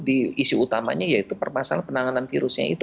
di isu utamanya yaitu permasalah penanganan virusnya itu